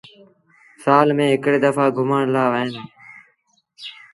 سآل ميݩ هڪڙي دڦآ گھمڻ لآ وهيݩ دآ۔